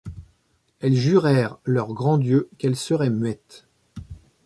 Elles jurèrent leurs grands dieux qu’elles seraient muettes.